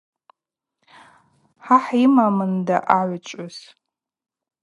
Хӏа хӏйымамында агӏвычӏвгӏвыс.